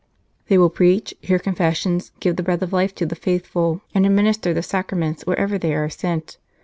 They will preach, hear confessions, give the Bread of Life to the faithful, and admin ister the Sacraments wherever they are sent.